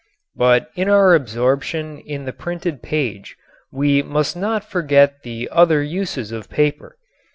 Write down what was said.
But in our absorption in the printed page we must not forget the other uses of paper.